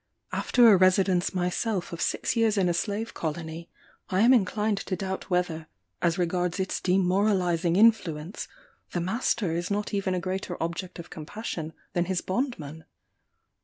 After a residence myself of six years in a slave colony, I am inclined to doubt whether, as regards its demoralizing influence, the master is not even a greater object of compassion than his bondman.